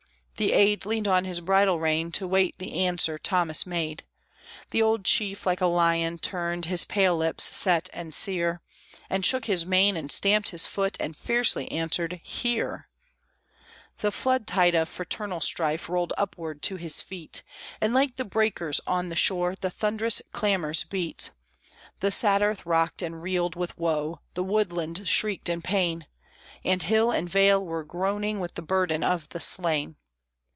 _" The aide Leaned on his bridle rein to wait the answer Thomas made; The old chief like a lion turned, his pale lips set and sere, And shook his mane, and stamped his foot, and fiercely answered, "Here!" The floodtide of fraternal strife rolled upward to his feet, And like the breakers on the shore the thunderous clamors beat; The sad earth rocked and reeled with woe, the woodland shrieked in pain, And hill and vale were groaning with the burden of the slain.